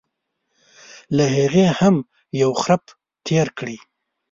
له هغې هم یو خرپ تېر کړي.